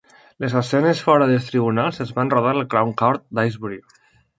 Les escenes fora dels tribunals es van rodar al Crown Court d'Aysbury.